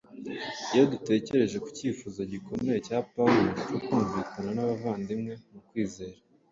Iyo dutekereje ku cyifuzo gikomeye cya Pawulo cyo kumvikana n’abavandimwe mu kwizera,